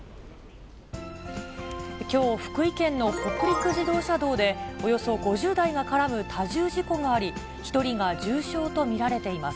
きょう、福井県の北陸自動車道でおよそ５０台が絡む多重事故があり、１人が重傷と見られています。